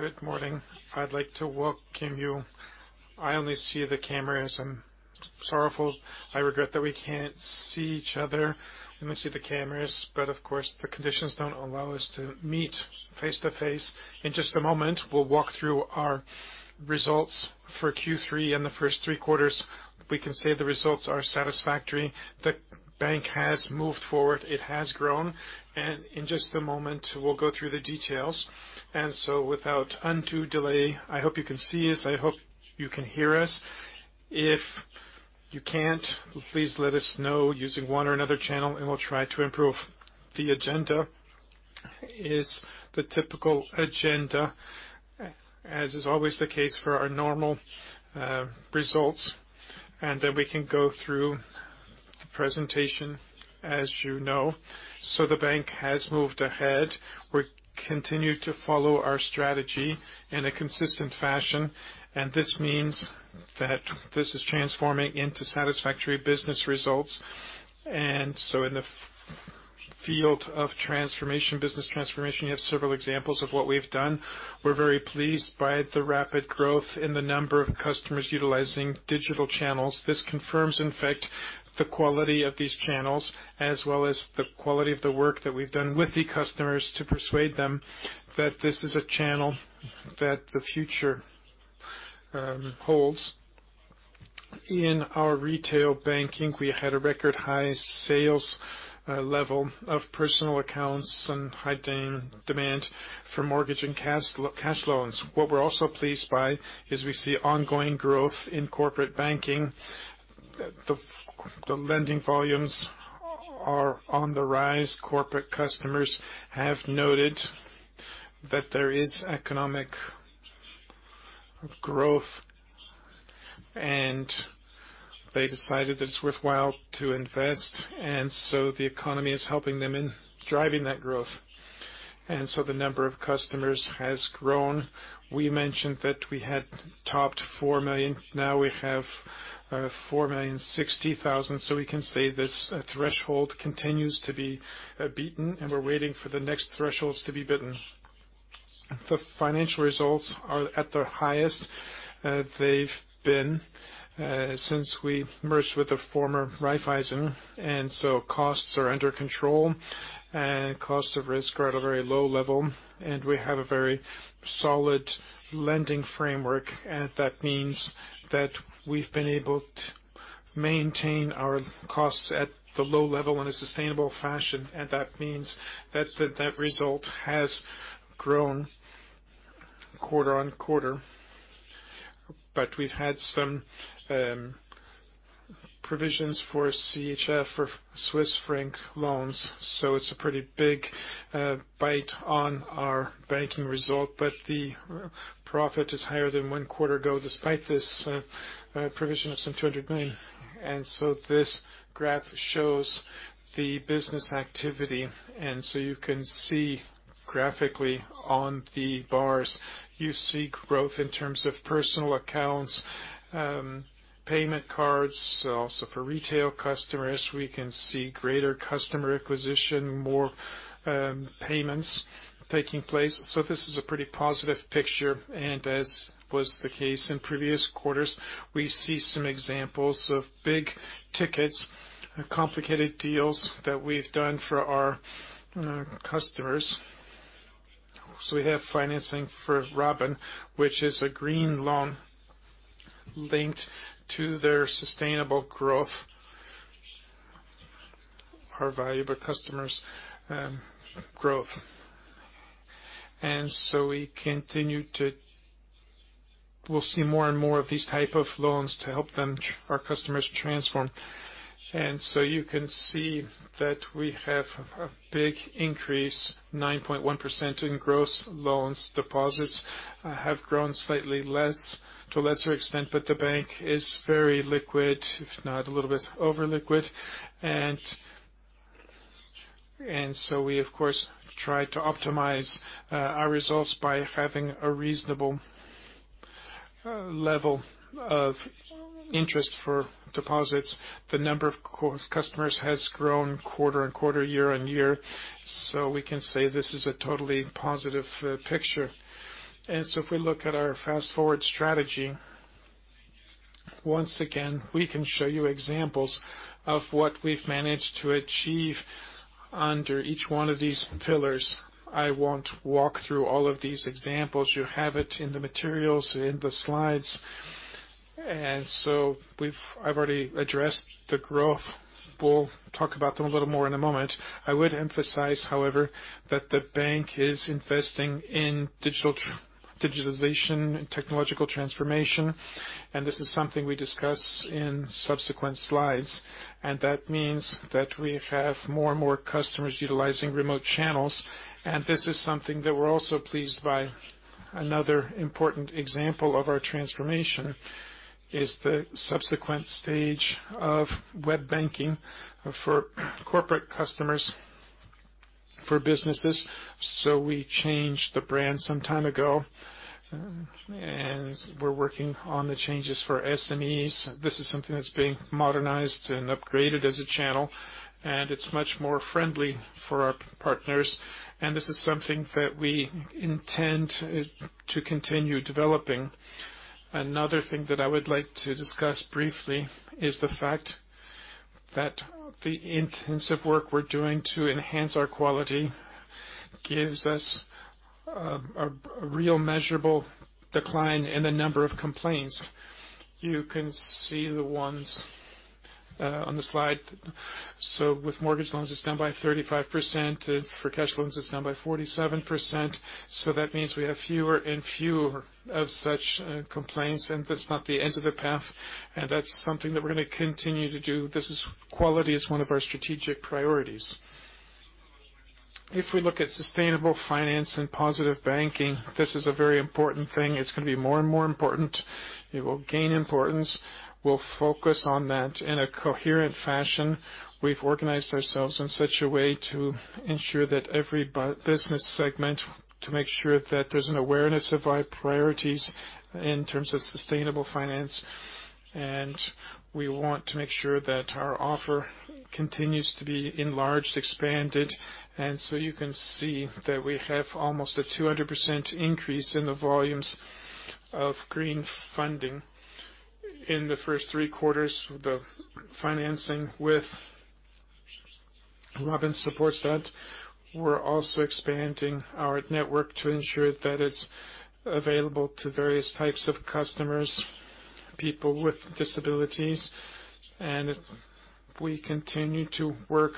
Good morning. I'd like to welcome you. I only see the cameras. I'm sorry. I regret that we can't see each other. Let me see the cameras, but of course, the conditions don't allow us to meet face-to-face. In just a moment, we'll walk through our results for Q3 and the first three quarters. We can say the results are satisfactory. The bank has moved forward, it has grown, and in just a moment, we'll go through the details. Without undue delay, I hope you can see us, I hope you can hear us. If you can't, please let us know using one or another channel, and we'll try to improve. The agenda is the typical agenda, as is always the case for our normal results, and then we can go through the presentation as you know. The bank has moved ahead. We continue to follow our strategy in a consistent fashion, and this means that this is transforming into satisfactory business results. In the field of transformation, business transformation, you have several examples of what we've done. We're very pleased by the rapid growth in the number of customers utilizing digital channels. This confirms, in fact, the quality of these channels, as well as the quality of the work that we've done with the customers to persuade them that this is a channel that the future holds. In our retail banking, we had a record-high sales level of personal accounts and heightened demand for mortgage and cash loans. What we're also pleased by is we see ongoing growth in corporate banking. The lending volumes are on the rise. Corporate customers have noted that there is economic growth, and they decided that it's worthwhile to invest, and so the economy is helping them in driving that growth. The number of customers has grown. We mentioned that we had topped four million. Now we have 4,060,000, so we can say this threshold continues to be beaten, and we're waiting for the next thresholds to be beaten. The financial results are at the highest they've been since we merged with the former Raiffeisen, so costs are under control, and cost of risk are at a very low level, and we have a very solid lending framework. That means that we've been able to maintain our costs at the low level in a sustainable fashion, and that means that that result has grown quarter-on-quarter. We've had some provisions for CHF or Swiss franc loans, so it's a pretty big bite on our banking result. The profit is higher than one quarter ago, despite this provision of some 200 million. This graph shows the business activity. You can see graphically on the bars, you see growth in terms of personal accounts, payment cards. Also for retail customers, we can see greater customer acquisition, more payments taking place. This is a pretty positive picture, and as was the case in previous quarters, we see some examples of big tickets, complicated deals that we've done for our customers. We have financing for Robin, which is a green loan linked to their sustainable growth, our valuable customers' growth. We'll see more and more of these type of loans to help them, our customers transform. You can see that we have a big increase, 9.1% in gross loans. Deposits have grown slightly less, to a lesser extent, but the bank is very liquid, if not a little bit over-liquid. We, of course, try to optimize our results by having a reasonable level of interest for deposits. The number of core customers has grown quarter-on-quarter, year-on-year. We can say this is a totally positive picture. If we look at our Fast Forward strategy, once again, we can show you examples of what we've managed to achieve under each one of these pillars. I won't walk through all of these examples. You have it in the materials, in the slides. I've already addressed the growth. We'll talk about them a little more in a moment. I would emphasize, however, that the bank is investing in digitalization and technological transformation, and this is something we discuss in subsequent slides. That means that we have more and more customers utilizing remote channels, and this is something that we're also pleased by. Another important example of our transformation is the subsequent stage of web banking for corporate customers, for businesses. We changed the brand some time ago. We're working on the changes for SMEs. This is something that's being modernized and upgraded as a channel, and it's much more friendly for our partners. This is something that we intend to continue developing. Another thing that I would like to discuss briefly is the fact that the intensive work we're doing to enhance our quality gives us a real measurable decline in the number of complaints. You can see the ones on the slide. With mortgage loans, it's down by 35%. For cash loans, it's down by 47%. That means we have fewer and fewer of such complaints, and that's not the end of the path. That's something that we're gonna continue to do. Quality is one of our strategic priorities. If we look at sustainable finance and positive banking, this is a very important thing. It's gonna be more and more important. It will gain importance. We'll focus on that in a coherent fashion. We've organized ourselves in such a way to ensure that every business segment, to make sure that there's an awareness of our priorities in terms of sustainable finance. We want to make sure that our offer continues to be enlarged, expanded. You can see that we have almost a 200% increase in the volumes of green funding in the first three quarters. The financing with Robin supports that. We're also expanding our network to ensure that it's available to various types of customers, people with disabilities. We continue to work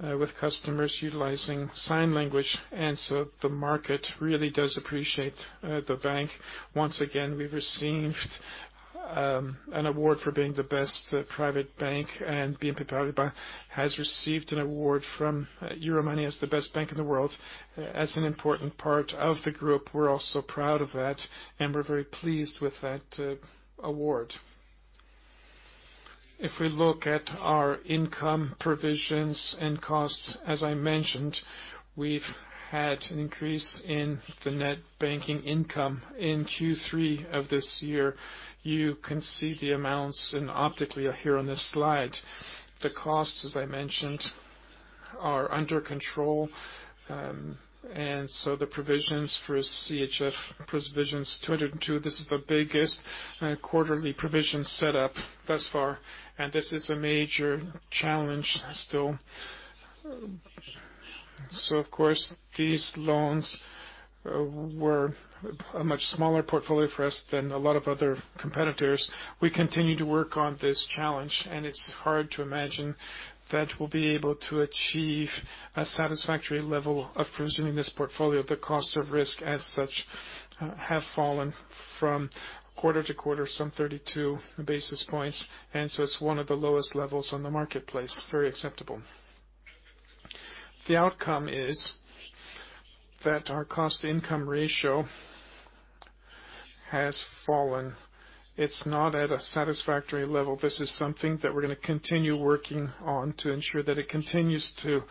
with customers utilizing sign language. The market really does appreciate the bank. Once again, we've received an award for being the best private bank, and BNP Paribas has received an award from Euromoney as the best bank in the world. As an important part of the group, we're also proud of that, and we're very pleased with that award. If we look at our income provisions and costs, as I mentioned, we've had an increase in the net banking income in Q3 of this year. You can see the amounts, and they are here on this slide. The costs, as I mentioned, are under control. The provisions for CHF, PLN 202, this is the biggest quarterly provision set up thus far. This is a major challenge still. Of course, these loans were a much smaller portfolio for us than a lot of other competitors. We continue to work on this challenge, and it's hard to imagine that we'll be able to achieve a satisfactory level of resolving this portfolio. The cost of risk as such have fallen from quarter to quarter, some 32 basis points. It's one of the lowest levels on the marketplace, very acceptable. The outcome is that our cost-income ratio has fallen. It's not at a satisfactory level. This is something that we're gonna continue working on to ensure that it continues to fall.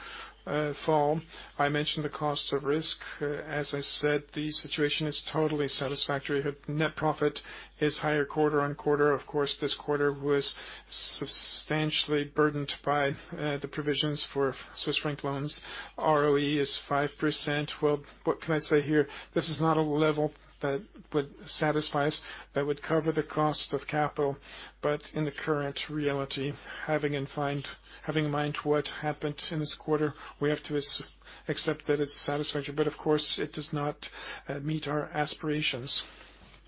I mentioned the cost of risk. As I said, the situation is totally satisfactory. Net profit is higher quarter-on-quarter. Of course, this quarter was substantially burdened by the provisions for Swiss franc loans. ROE is 5%. Well, what can I say here? This is not a level that would satisfy us, that would cover the cost of capital. In the current reality, having in mind what happened in this quarter, we have to accept that it's satisfactory. Of course, it does not meet our aspirations.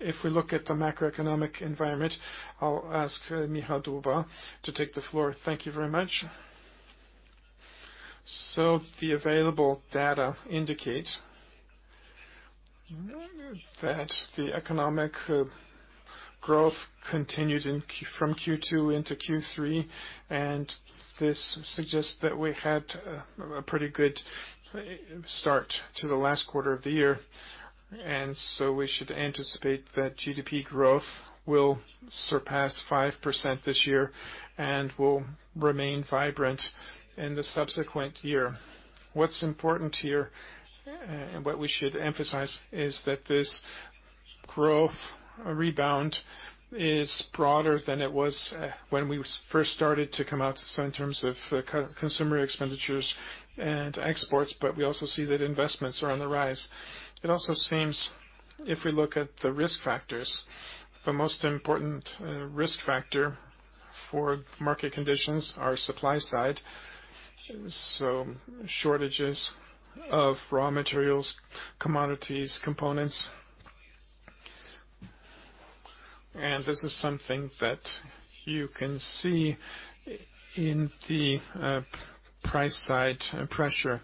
If we look at the macroeconomic environment, I'll ask Michał Dybuła to take the floor. Thank you very much. The available data indicate that the economic growth continued from Q2 into Q3, and this suggests that we had a pretty good start to the last quarter of the year. We should anticipate that GDP growth will surpass 5% this year and will remain vibrant in the subsequent year. What's important here, and what we should emphasize is that this growth rebound is broader than it was when we first started to come out in terms of consumer expenditures and exports, but we also see that investments are on the rise. It also seems if we look at the risk factors, the most important risk factor for market conditions are supply side. Shortages of raw materials, commodities, components. This is something that you can see in the price side pressure.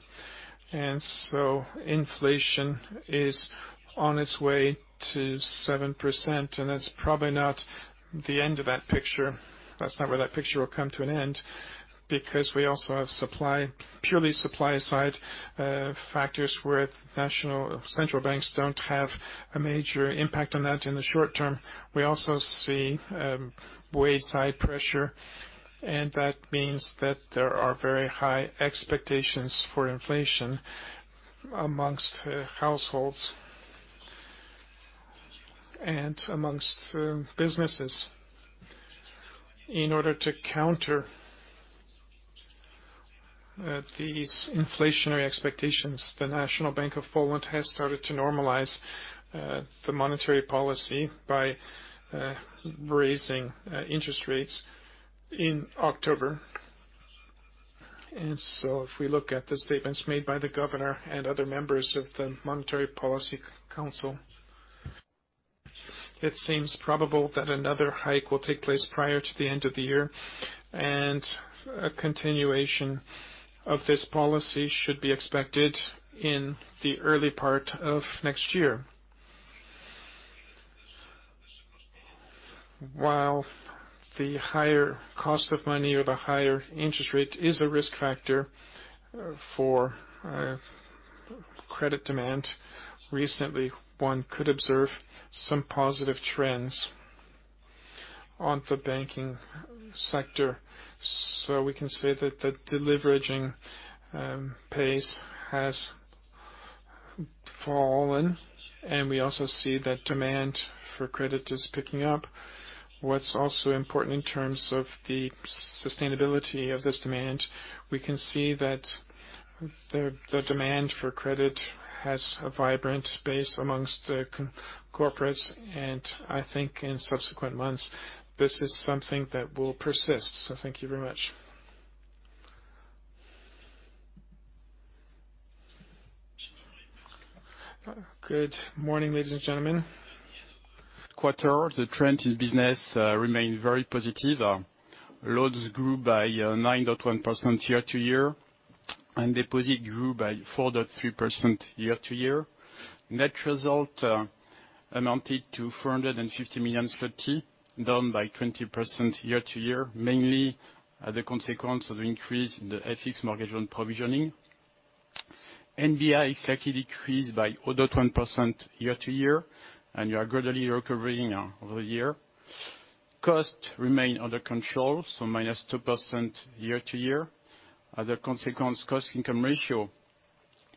Inflation is on its way to 7%, and that's probably not the end of that picture. That's not where that picture will come to an end, because we also have supply, purely supply side factors where national central banks don't have a major impact on that in the short term. We also see wage side pressure, and that means that there are very high expectations for inflation among households and businesses. In order to counter these inflationary expectations, the National Bank of Poland has started to normalize the monetary policy by raising interest rates in October. If we look at the statements made by the governor and other members of the Monetary Policy Council, it seems probable that another hike will take place prior to the end of the year, and a continuation of this policy should be expected in the early part of next year. While the higher cost of money or the higher interest rate is a risk factor for credit demand, recently one could observe some positive trends on the banking sector. We can say that the deleveraging pace has fallen, and we also see that demand for credit is picking up. What's also important in terms of the sustainability of this demand, we can see that the demand for credit has a vibrant base amongst the corporates, and I think in subsequent months this is something that will persist. Thank you very much. Good morning, ladies and gentlemen. In the quarter, the trend in business remained very positive. Loans grew by 9.1% year-to-year, and deposits grew by 4.3% year-to-year. Net result amounted to 450 million zloty, down by 20% year-to-year, mainly as a consequence of the increase in the FX mortgage loan provisioning. NBI slightly decreased by 0.1% year-to-year, and we are gradually recovering over the year. Costs remain under control, so -2% year-to-year. As a consequence, cost-income ratio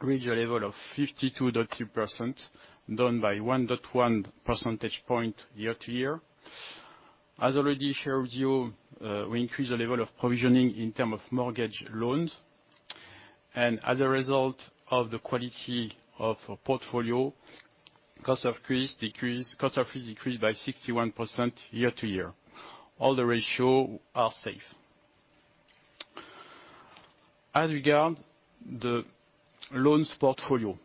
reached a level of 52.3%, down by 1.1 percentage point year-to-year. As I already shared with you, we increased the level of provisioning in terms of mortgage loans. As a result of the quality of our portfolio, cost of risk decreased by 61% year-to-year. All the ratio are safe. As regard the loans portfolio,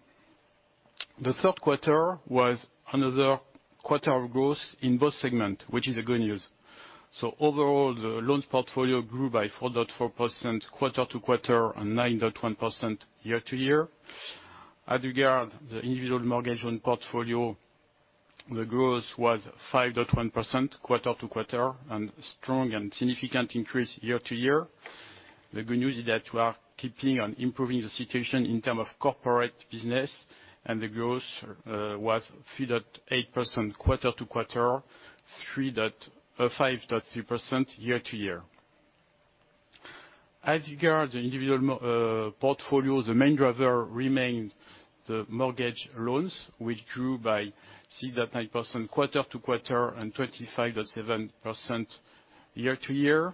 the third quarter was another quarter of growth in both segment, which is a good news. Overall, the loans portfolio grew by 4.4% quarter-over-quarter and 9.1% year-over-year. As regard the individual mortgage loan portfolio, the growth was 5.1% quarter-over-quarter, and strong and significant increase year-over-year. The good news is that we are keeping on improving the situation in term of corporate business, and the growth was 3.8% quarter-over-quarter, 5.3% year-over-year. As regard the individual portfolio, the main driver remained the mortgage loans, which grew by 3.9% quarter-over-quarter and 25.7% year-over-year.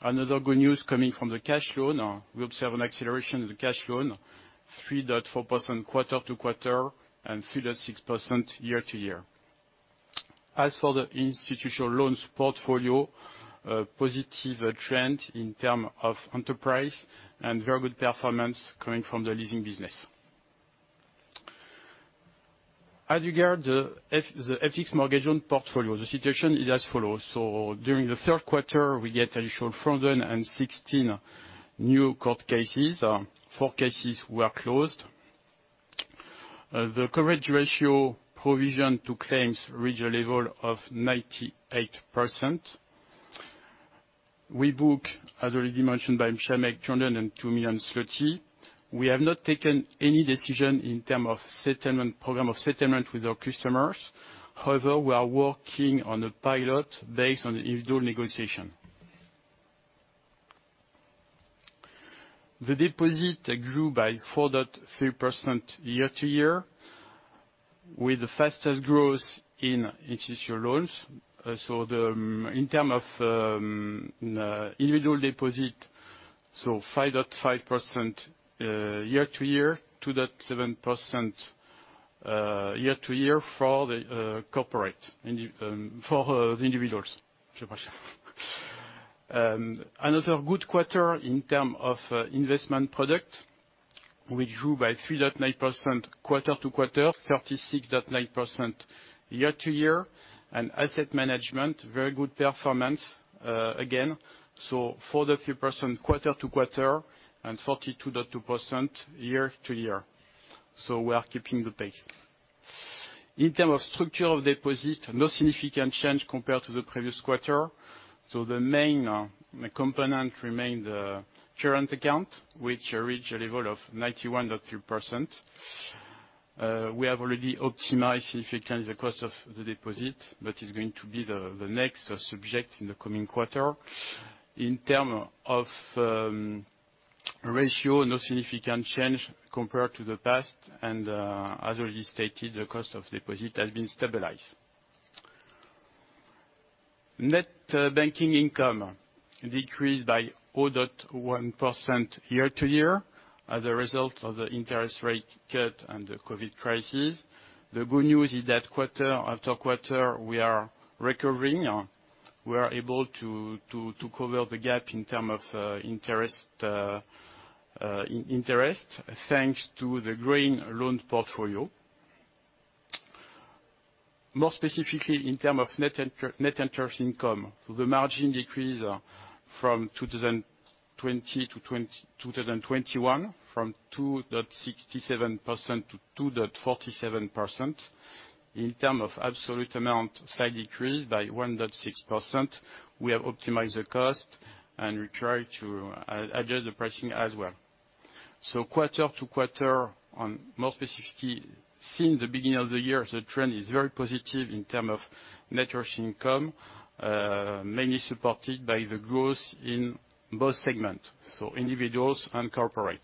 Another good news coming from the cash loan. We observe an acceleration in the cash loan, 3.4% quarter-to-quarter and 3.6% year-to-year. As for the institutional loans portfolio, a positive trend in terms of enterprise and very good performance coming from the leasing business. As regards the FX mortgage loan portfolio, the situation is as follows. During the third quarter we get additional 416 new court cases, four cases were closed. The coverage ratio provision to claims reached a level of 98%. We book, as already mentioned by Przemy, PLN 202 million. We have not taken any decision in terms of settlement, program of settlement with our customers. However, we are working on a pilot based on the individual negotiation. The deposit grew by 4.3% year-over-year, with the fastest growth in institutional loans. In terms of individual deposit, 5.5% year-over-year, 2.7% year-over-year for the corporate. Przemysław. Another good quarter in terms of investment product, which grew by 3.9% quarter-over-quarter, 36.9% year-over-year. Asset management, very good performance again. 4.3% quarter-over-quarter and 42.2% year-over-year. We are keeping the pace. In terms of structure of deposit, no significant change compared to the previous quarter. The main component remained current account, which reached a level of 91.3%. We have already optimized significantly the cost of the deposit, that is going to be the next subject in the coming quarter. In terms of ratio, no significant change compared to the past, and as already stated, the cost of deposit has been stabilized. Net banking income decreased by 0.1% year-to-year as a result of the interest rate cut and the COVID crisis. The good news is that quarter after quarter, we are recovering. We are able to cover the gap in terms of interest thanks to the growing loan portfolio. More specifically, in terms of net interest income, the margin decreased from 2020 to 2021 from 2.67% to 2.47%. In terms of absolute amount, slight decrease by 1.6%. We have optimized the cost, and we try to adjust the pricing as well. Quarter-over-quarter, or more specifically, since the beginning of the year, the trend is very positive in terms of net interest income, mainly supported by the growth in both segments, individuals and corporate.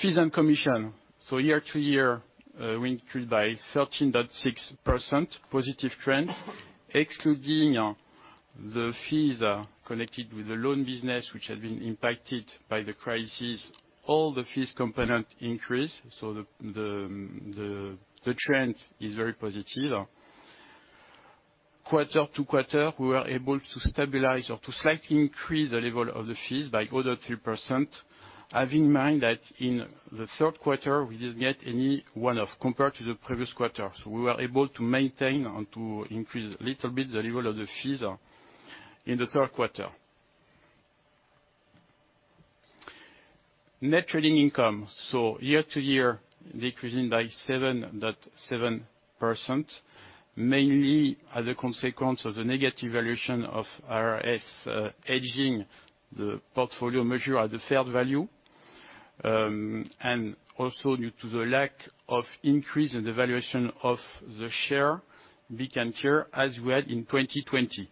Fees and commissions. Year-over-year, we increased by 13.6%, positive trend. Excluding the fees connected with the loan business, which has been impacted by the crisis, all the fees components increase, the trend is very positive. Quarter-over-quarter, we were able to stabilize or to slightly increase the level of the fees by 0.3%. Have in mind that in the third quarter, we didn't get any one-off compared to the previous quarter. We were able to maintain and to increase a little bit the level of the fees in the third quarter. Net trading income year-over-year decreasing by 7.7%, mainly as a consequence of the negative valuation of IRS hedging the portfolio measured at the fair value, and also due to the lack of increase in the valuation of the share, we can share as we had in 2020.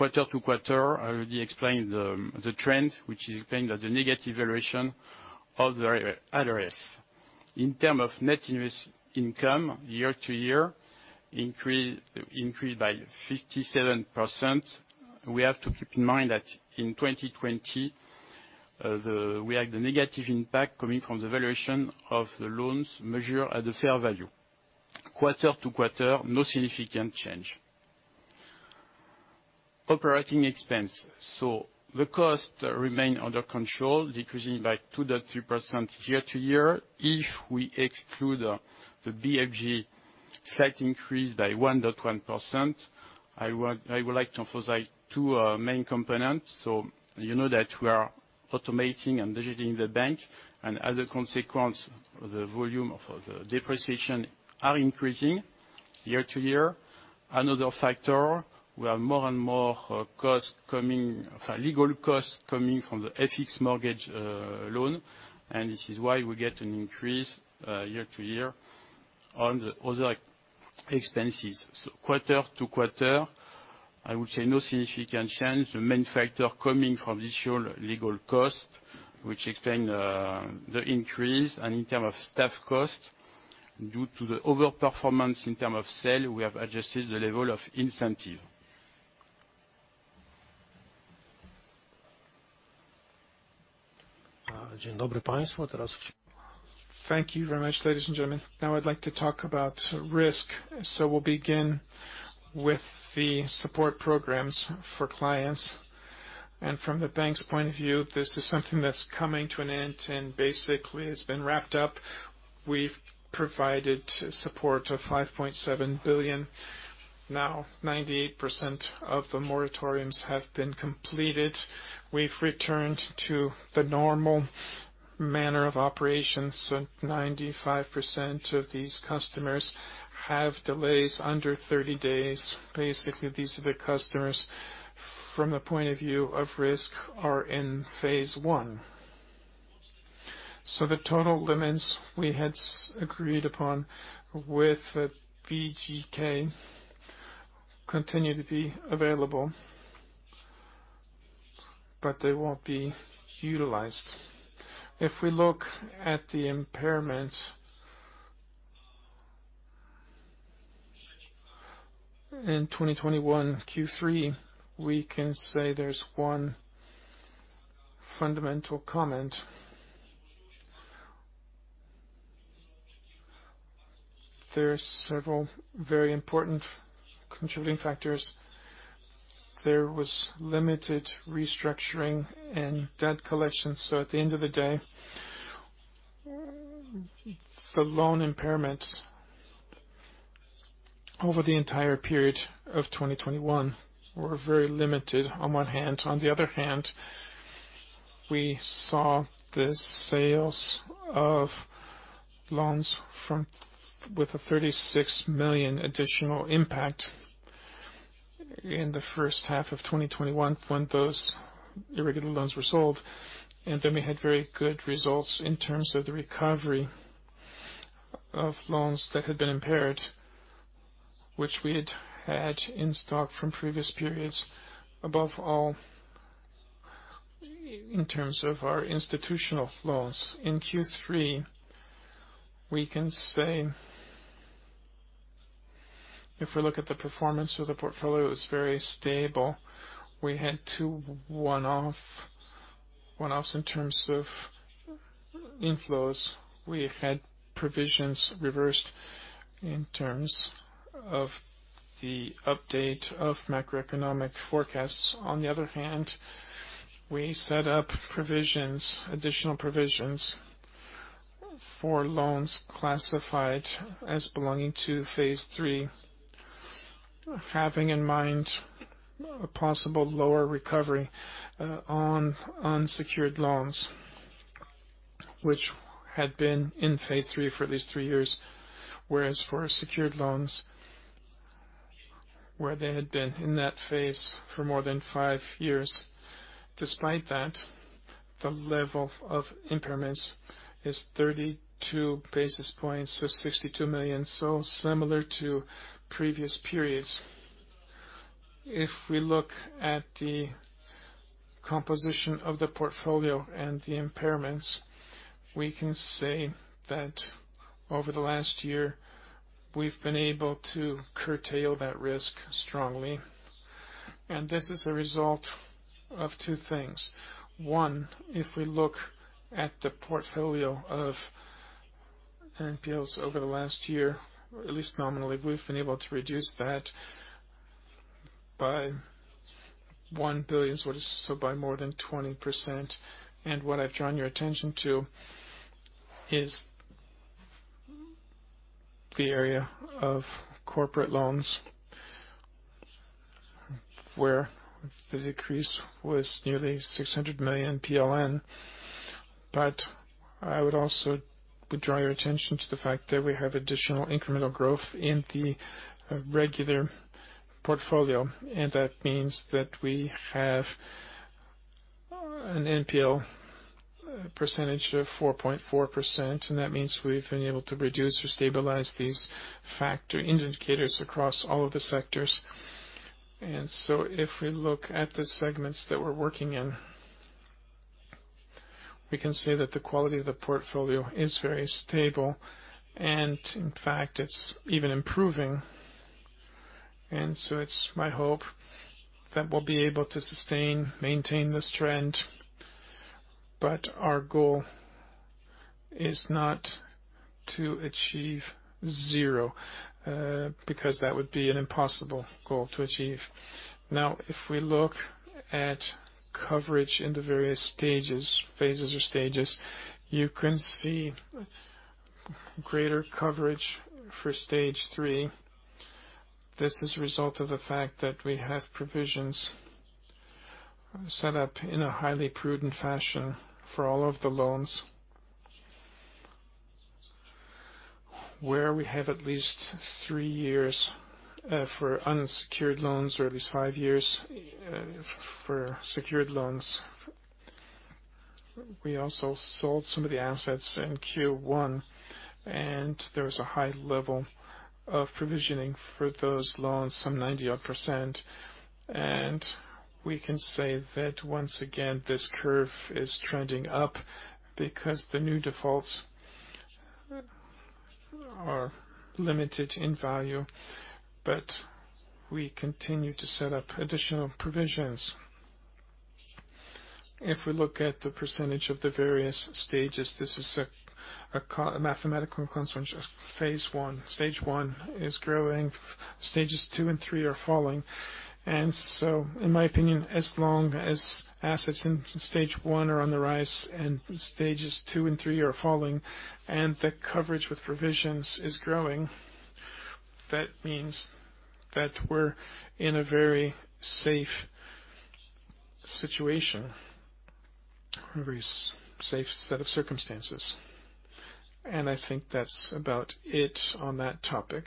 Quarter-over-quarter, I already explained the trend, which is explained as a negative valuation of the IRS. In terms of net interest income, year-over-year increased by 57%. We have to keep in mind that in 2020 we had the negative impact coming from the valuation of the loans measured at the fair value. Quarter-over-quarter, no significant change. Operating expense. The cost remains under control, decreasing by 2.3% year-over-year. If we exclude the BFG slight increase by 1.1%, I would like to emphasize two main components. You know that we are automating and digitizing the bank, and as a consequence, the volume of the depreciation is increasing year-over-year. Another factor, we have more and more legal costs coming from the FX mortgage loan, and this is why we get an increase year-over-year on the other expenses. Quarter-over-quarter, I would say no significant change. The main factor coming from this, the legal cost, which explains the increase. In terms of staff cost, due to the overperformance in terms of sales, we have adjusted the level of incentive. Thank you very much, ladies and gentlemen. Now I'd like to talk about risk. We'll begin with the support programs for clients. From the bank's point of view, this is something that's coming to an end and basically has been wrapped up. We've provided support of 5.7 billion. Now, 98% of the moratoriums have been completed. We've returned to the normal manner of operations. Ninety-five percent of these customers have delays under 30 days. Basically, these are the customers from the point of view of risk are in phase I. The total limits we had agreed upon with BGK continue to be available, but they won't be utilized. If we look at the impairments in 2021 Q3, we can say there's one fundamental comment. There are several very important contributing factors. There was limited restructuring and debt collection, so at the end of the day, the loan impairments over the entire period of 2021 were very limited on one hand. On the other hand, we saw the sales of loans from, with a 36 million additional impact in the first half of 2021 when those irregular loans were sold. We had very good results in terms of the recovery of loans that had been impaired, which we had had in stock from previous periods, above all, in terms of our institutional flows. In Q3, we can say, if we look at the performance of the portfolio, it was very stable. We had two one-offs in terms of inflows. We had provisions reversed in terms of the update of macroeconomic forecasts. On the other hand, we set up provisions, additional provisions for loans classified as belonging to phase III, having in mind a possible lower recovery, on unsecured loans, which had been in phase III for at least three years. Whereas for secured loans, where they had been in that phase for more than five years. Despite that, the level of impairments is 32 basis points, so 62 million, so similar to previous periods. If we look at the composition of the portfolio and the impairments, we can say that over the last year, we've been able to curtail that risk strongly. This is a result of two things. One, if we look at the portfolio of NPLs over the last year, at least nominally, we've been able to reduce that by 1 billion, so by more than 20%. What I've drawn your attention to is the area of corporate loans, where the decrease was nearly 600 million PLN. I would also draw your attention to the fact that we have additional incremental growth in the regular portfolio, and that means that we have an NPL percentage of 4.4%, and that means we've been able to reduce or stabilize these factor indicators across all of the sectors. If we look at the segments that we're working in, we can say that the quality of the portfolio is very stable, and in fact, it's even improving. It's my hope that we'll be able to sustain, maintain this trend. Our goal is not to achieve zero, because that would be an impossible goal to achieve. Now, if we look at coverage in the various stages, phases or stages, you can see greater coverage for stage three. This is a result of the fact that we have provisions set up in a highly prudent fashion for all of the loans where we have at least three years for unsecured loans, or at least five years for secured loans. We also sold some of the assets in Q1, and there was a high level of provisioning for those loans, some 90-odd%. We can say that once again, this curve is trending up because the new defaults are limited in value, but we continue to set up additional provisions. If we look at the percentage of the various stages, this is a mathematical consequence of phase I. Stage one is growing, stages two and three are falling. In my opinion, as long as assets in stage one are on the rise and stages two and three are falling, and the coverage with provisions is growing, that means that we're in a very safe situation, a very safe set of circumstances. I think that's about it on that topic.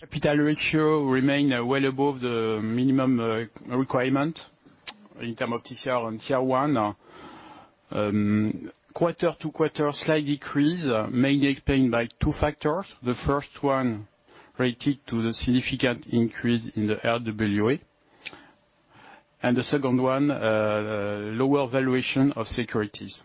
Capital ratios remain well above the minimum requirement in terms of TCR and CET1. Quarter-to-quarter slight decrease mainly explained by two factors. The first one related to the significant increase in the RWA. The second one lower valuation of securities.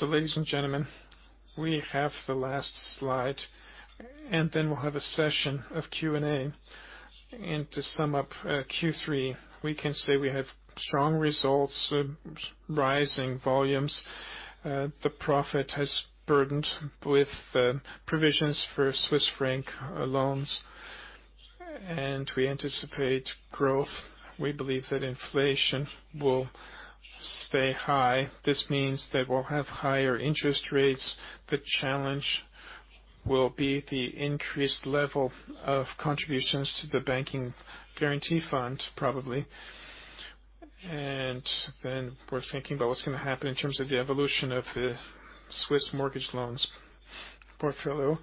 Ladies and gentlemen, we have the last slide, and then we'll have a session of Q&A. To sum up, Q3, we can say we have strong results, rising volumes. The profit has been burdened with provisions for Swiss franc loans. We anticipate growth. We believe that inflation will stay high. This means that we'll have higher interest rates. The challenge will be the increased level of contributions to the Banking Guarantee Fund, probably. We're thinking about what's gonna happen in terms of the evolution of the Swiss mortgage loans portfolio.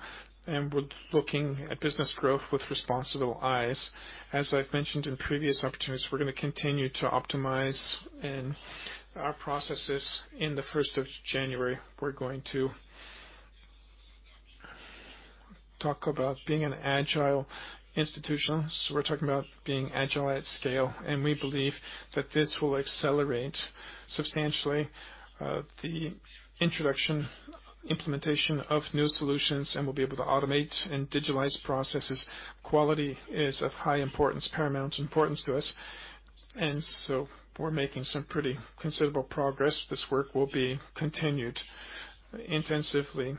We're looking at business growth with responsible eyes. As I've mentioned in previous opportunities, we're gonna continue to optimize in our processes. On the first of January, we're going to talk about being an agile institution. We're talking about being agile at scale, and we believe that this will accelerate substantially the introduction, implementation of new solutions, and we'll be able to automate and digitalize processes. Quality is of high importance, paramount importance to us, and so we're making some pretty considerable progress. This work will be continued intensively,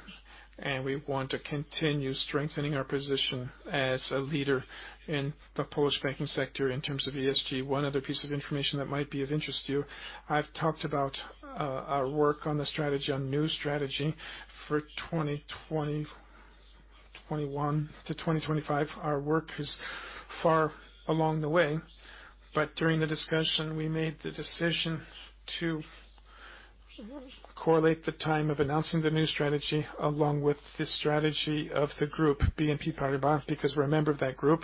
and we want to continue strengthening our position as a leader in the Polish banking sector in terms of ESG. One other piece of information that might be of interest to you, I've talked about our work on the strategy, on new strategy for 2021-2025. Our work is far along the way, but during the discussion, we made the decision to correlate the time of announcing the new strategy along with the strategy of the group, BNP Paribas, because we're a member of that group.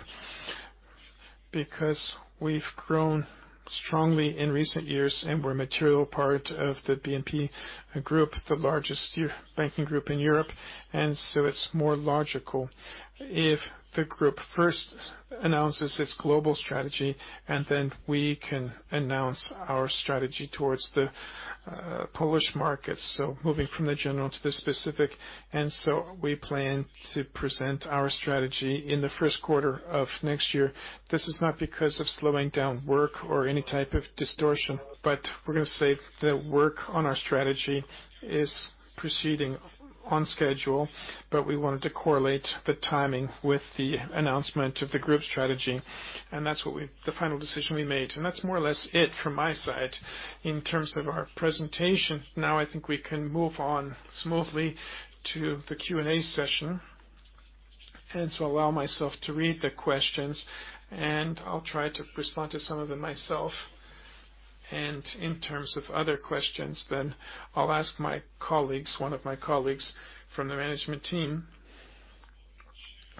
Because we've grown strongly in recent years, and we're a material part of the BNP group, the largest banking group in Europe. It's more logical if the group first announces its global strategy, and then we can announce our strategy towards the Polish market. Moving from the general to the specific, we plan to present our strategy in the first quarter of next year. This is not because of slowing down work or any type of distortion, but we're gonna say the work on our strategy is proceeding on schedule. We wanted to correlate the timing with the announcement of the group strategy. That's the final decision we made. That's more or less it from my side in terms of our presentation. Now I think we can move on smoothly to the Q&A session. Allow myself to read the questions, and I'll try to respond to some of them myself. In terms of other questions, then I'll ask my colleagues, one of my colleagues from the management team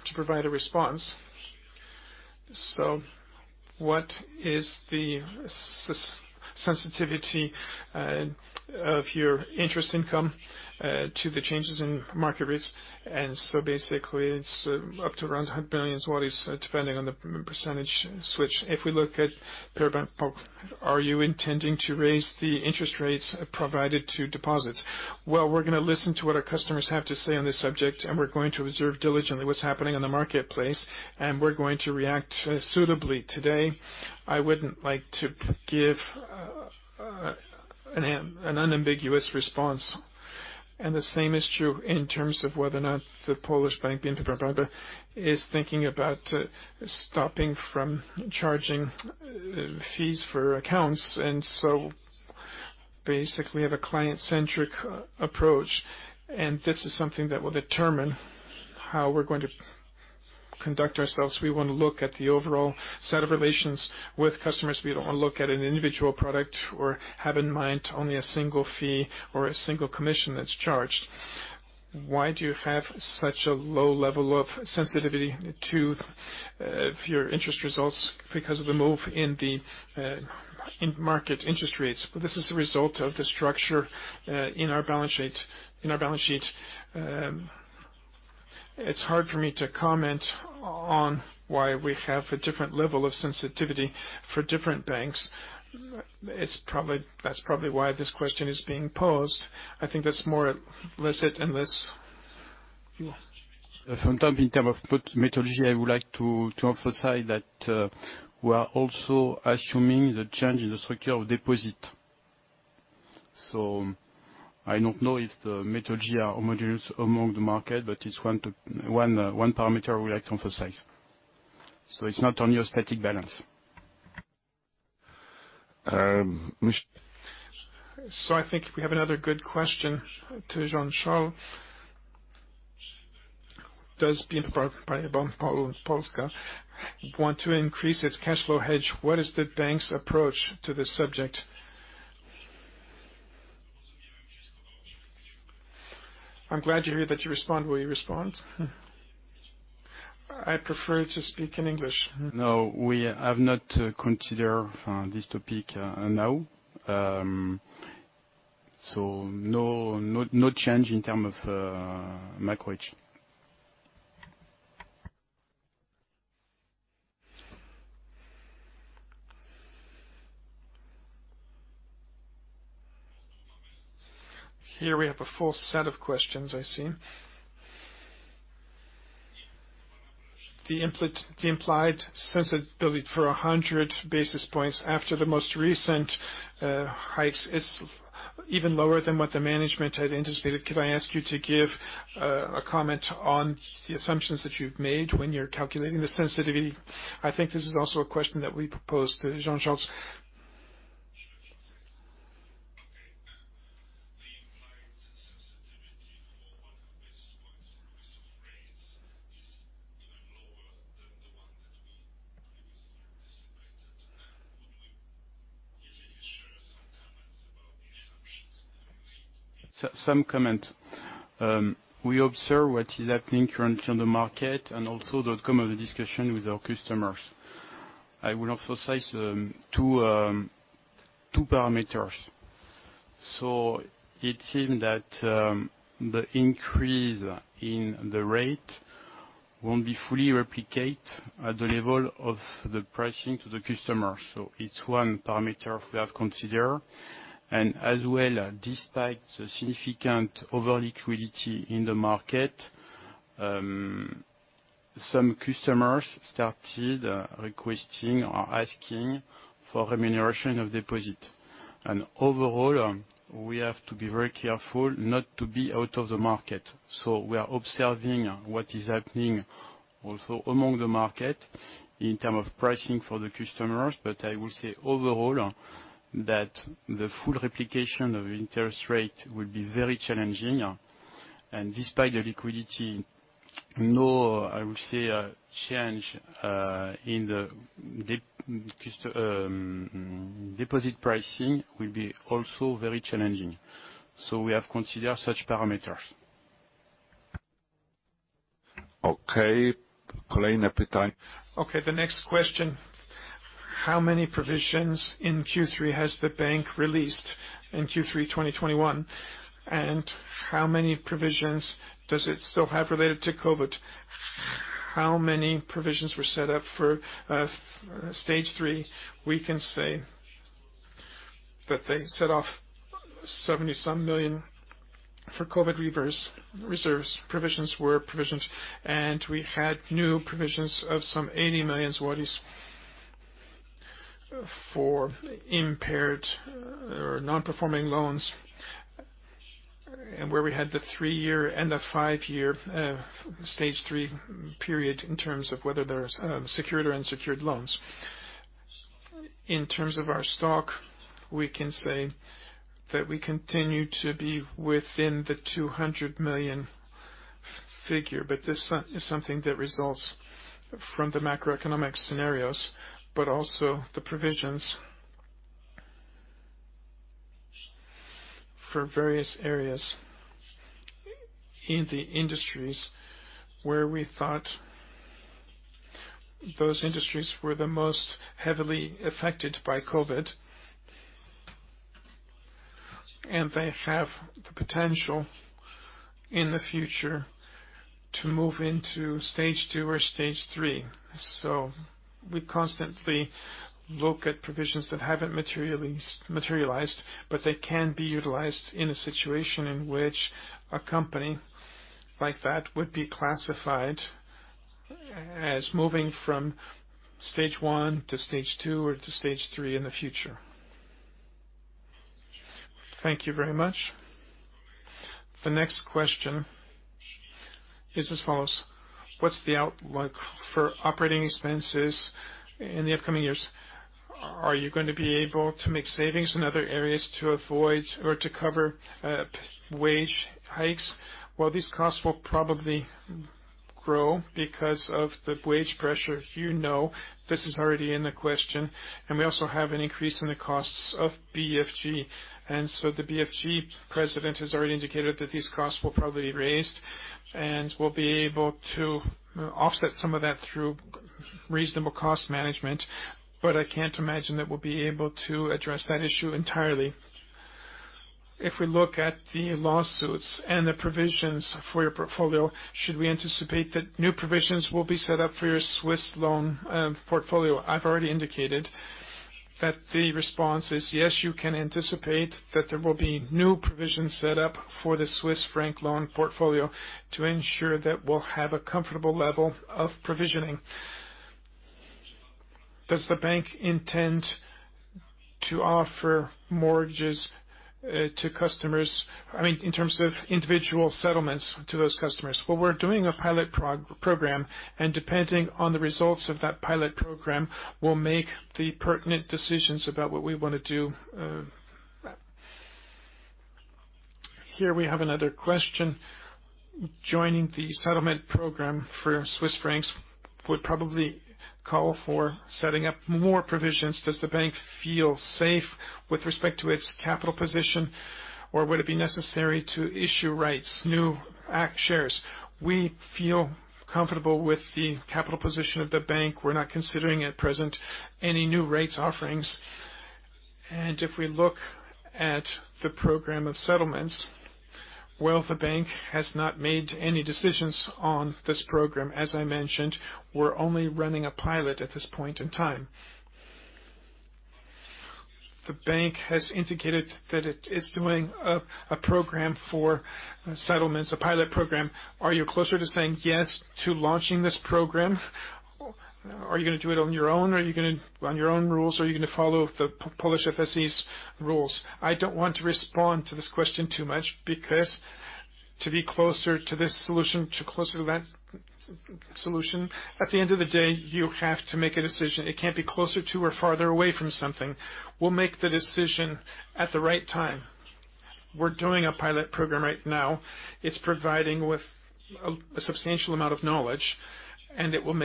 to provide a response. What is the sensitivity of your interest income to the changes in market rates? Basically, it's up to around 100 billion zlotys, depending on the percentage switch. If we look at BNP Paribas, are you intending to raise the interest rates provided to deposits? Well, we're gonna listen to what our customers have to say on this subject, and we're going to observe diligently what's happening in the marketplace, and we're going to react suitably. Today, I wouldn't like to give an unambiguous response. The same is true in terms of whether or not the Polish bank, BNP Paribas, is thinking about stopping from charging fees for accounts. Basically, we have a client-centric approach, and this is something that will determine how we're going to conduct ourselves. We wanna look at the overall set of relations with customers. We don't wanna look at an individual product or have in mind only a single fee or a single commission that's charged. Why do you have such a low level of sensitivity to your interest results because of the move in the market interest rates? This is the result of the structure in our balance sheet. It's hard for me to comment on why we have a different level of sensitivity for different banks. That's probably why this question is being posed. I think that's more or less it unless. From the top in terms of methodology, I would like to emphasize that we are also assuming the change in the structure of deposits. I don't know if the methodology is homogeneous among the market, but it's one parameter we like to emphasize. It's not only a static balance. I think we have another good question to Jean-Charles. Does BNP Paribas Bank Polska want to increase its cash flow hedge? What is the bank's approach to this subject? I'm glad to hear that you respond. Will you respond? I prefer to speak in English. No, we have not considered this topic now. No change in terms of micro hedging. Here we have a full set of questions I see. The implied sensitivity for 100 basis points after the most recent hikes is even lower than what the management had anticipated. Could I ask you to give a comment on the assumptions that you've made when you're calculating the sensitivity? I think this is also a question that we proposed to Jean-Charles. The one that we previously anticipated. Would you, if you could share some comments about the assumptions that we should make? We observe what is happening currently on the market and also the outcome of the discussion with our customers. I will emphasize two parameters. It seems that the increase in the rate won't be fully replicated at the level of the pricing to the customer. It's one parameter we have considered. As well, despite the significant over-liquidity in the market, some customers started requesting or asking for remuneration of deposit. Overall, we have to be very careful not to be out of the market. We are observing what is happening also among the market in terms of pricing for the customers. I will say overall, that the full replication of interest rate will be very challenging. Despite the liquidity change in the deposit pricing will be also very challenging. We have considered such parameters. Okay. The next question: How many provisions in Q3 has the bank released in Q3, 2021? And how many provisions does it still have related to COVID? How many provisions were set up for stage three? We can say that they set off some 70 million for COVID reverse-reserves. Provisions were, and we had new provisions of some 80 million zlotys for impaired or non-performing loans. Where we had the three-year and the five-year stage three period in terms of whether they're secured or unsecured loans. In terms of our stock, we can say that we continue to be within the 200 million figure. This is something that results from the macroeconomic scenarios, but also the provisions for various areas in the industries where we thought those industries were the most heavily affected by COVID. They have the potential in the future to move into stage two or stage three. We constantly look at provisions that haven't materialized, but they can be utilized in a situation in which a company like that would be classified as moving from stage one to stage two or to stage three in the future. Thank you very much. The next question is as follows: What's the outlook for operating expenses in the upcoming years? Are you going to be able to make savings in other areas to avoid or to cover wage hikes? Well, these costs will probably grow because of the wage pressure, you know. This is already in the question. We also have an increase in the costs of BFG. The BFG president has already indicated that these costs will probably be raised, and we'll be able to offset some of that through reasonable cost management. I can't imagine that we'll be able to address that issue entirely. If we look at the lawsuits and the provisions for your portfolio, should we anticipate that new provisions will be set up for your Swiss franc loan portfolio? I've already indicated that the response is yes, you can anticipate that there will be new provisions set up for the Swiss franc loan portfolio to ensure that we'll have a comfortable level of provisioning. Does the bank intend to offer mortgages to customers? I mean, in terms of individual settlements to those customers. Well, we're doing a pilot program, and depending on the results of that pilot program, we'll make the pertinent decisions about what we wanna do. Here we have another question. Joining the settlement program for Swiss francs would probably call for setting up more provisions. Does the bank feel safe with respect to its capital position, or would it be necessary to issue rights, new equity shares? We feel comfortable with the capital position of the bank. We're not considering at present any new equity offerings. If we look at the program of settlements, well, the bank has not made any decisions on this program. As I mentioned, we're only running a pilot at this point in time. The bank has indicated that it is doing a program for settlements, a pilot program. Are you closer to saying yes to launching this program? Are you gonna do it on your own? Are you gonna on your own rules? Are you gonna follow the Polish FSA's rules? I don't want to respond to this question too much because to be closer to this solution, closer to that solution, at the end of the day, you have to make a decision. It can't be closer to or farther away from something. We'll make the decision at the right time. We're doing a pilot program right now. It's providing with a substantial amount of knowledge, and it will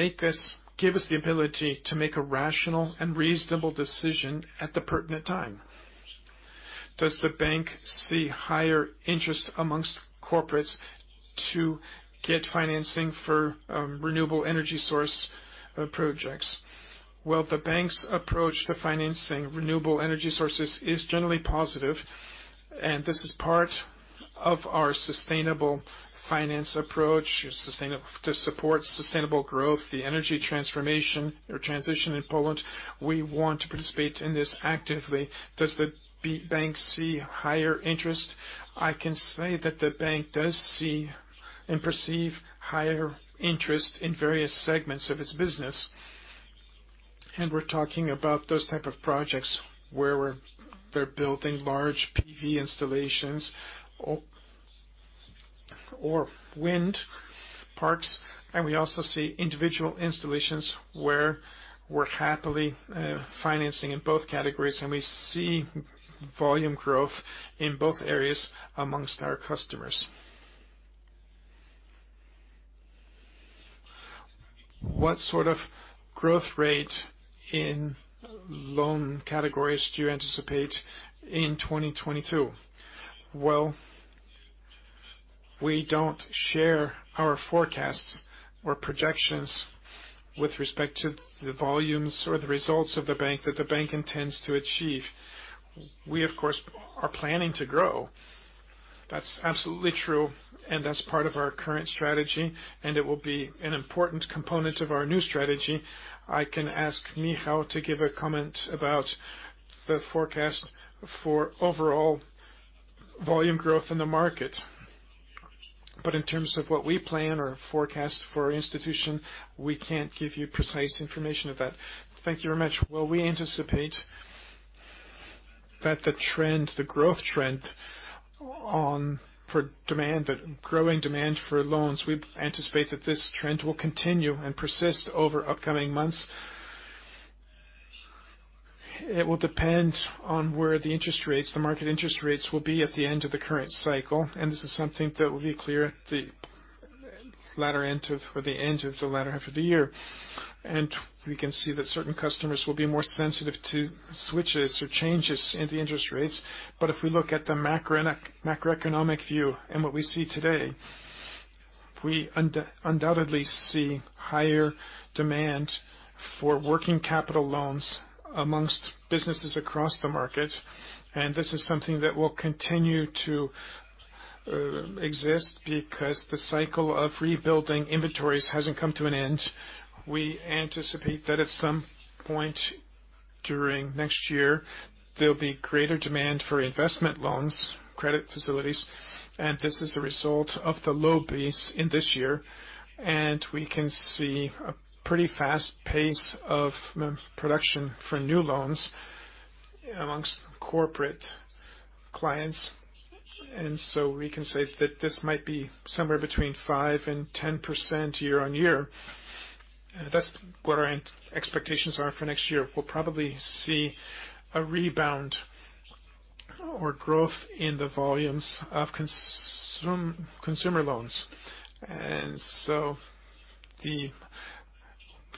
give us the ability to make a rational and reasonable decision at the pertinent time. Does the bank see higher interest among corporates to get financing for renewable energy source projects? Well, the bank's approach to financing renewable energy sources is generally positive, and this is part of our sustainable finance approach. To support sustainable growth, the energy transformation or transition in Poland, we want to participate in this actively. Does the bank see higher interest? I can say that the bank does see and perceive higher interest in various segments of its business, and we're talking about those type of projects where they're building large PV installations or wind parks, and we also see individual installations where we're happily financing in both categories, and we see volume growth in both areas amongst our customers. What sort of growth rate in loan categories do you anticipate in 2022? Well, we don't share our forecasts or projections with respect to the volumes or the results that the bank intends to achieve. We, of course, are planning to grow. That's absolutely true, and that's part of our current strategy, and it will be an important component of our new strategy. I can ask Michał to give a comment about the forecast for overall volume growth in the market. But in terms of what we plan or forecast for our institution, we can't give you precise information of that. Thank you very much. Well, we anticipate that the trend, the growth trend for demand and growing demand for loans, we anticipate that this trend will continue and persist over upcoming months. It will depend on where the interest rates, the market interest rates will be at the end of the current cycle, and this is something that will be clear at the end of the latter half of the year. We can see that certain customers will be more sensitive to switches or changes in the interest rates. If we look at the macroeconomic view and what we see today, we undoubtedly see higher demand for working capital loans amongst businesses across the market. This is something that will continue to exist because the cycle of rebuilding inventories hasn't come to an end. We anticipate that at some point during next year, there'll be greater demand for investment loans, credit facilities, and this is a result of the low base in this year. We can see a pretty fast pace of production for new loans amongst corporate clients. We can say that this might be somewhere between 5%-10% year-on-year. That's what our expectations are for next year. We'll probably see a rebound or growth in the volumes of consumer loans.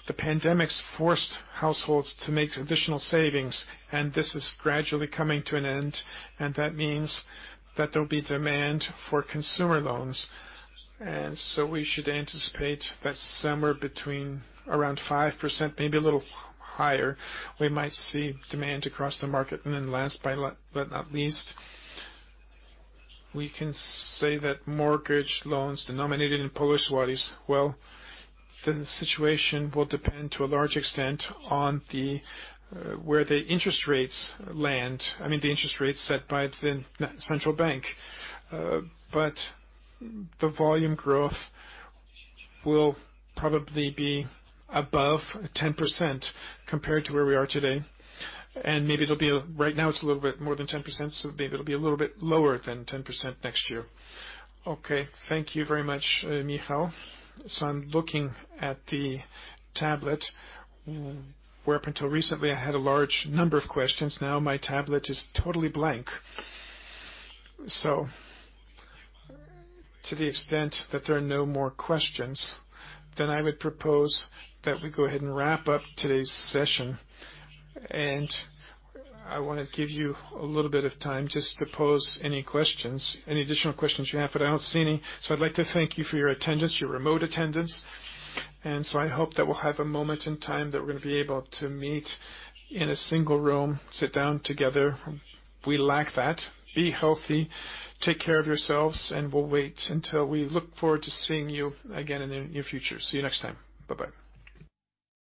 The pandemic's forced households to make additional savings, and this is gradually coming to an end, and that means that there'll be demand for consumer loans. We should anticipate that somewhere between around 5%, maybe a little higher, we might see demand across the market. Last but not least, we can say that mortgage loans denominated in Polish Zloty, well, the situation will depend to a large extent on where the interest rates land, I mean, the interest rates set by the National Bank of Poland. The volume growth will probably be above 10% compared to where we are today. Maybe it'll be. Right now it's a little bit more than 10%, so maybe it'll be a little bit lower than 10% next year. Okay, thank you very much, Michał. I'm looking at the tablet, where up until recently I had a large number of questions. Now my tablet is totally blank. To the extent that there are no more questions, then I would propose that we go ahead and wrap up today's session. I wanna give you a little bit of time just to pose any questions, any additional questions you have, but I don't see any. I'd like to thank you for your attendance, your remote attendance. I hope that we'll have a moment in time that we're gonna be able to meet in a single room, sit down together. We lack that. Be healthy, take care of yourselves, and we'll wait until we look forward to seeing you again in the near future. See you next time. Bye-bye.